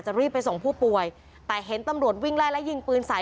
รีบไปส่งผู้ป่วยแต่เห็นตำรวจวิ่งไล่และยิงปืนใส่